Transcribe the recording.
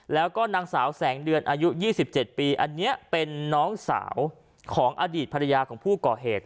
แล้วก็นางสาวแสงเดือนอายุ๒๗ปีอันนี้เป็นน้องสาวของอดีตภรรยาของผู้ก่อเหตุ